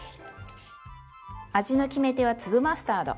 味の決め手は粒マスタード。